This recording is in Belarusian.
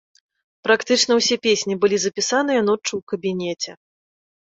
Практычна ўсе песні былі запісаныя ноччу ў кабінеце.